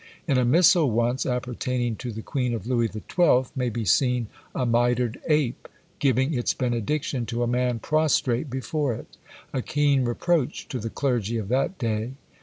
In a missal once appertaining to the queen of Louis XII. may be seen a mitred ape, giving its benediction to a man prostrate before it; a keen reproach to the clergy of that day.